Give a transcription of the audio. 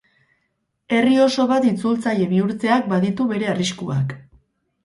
Herri oso bat itzultzaile bihurtzeak baditu bere arriskuak.